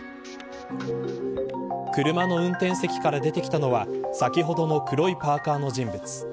車の運転席から出てきたのは先ほどの黒いパーカの人物。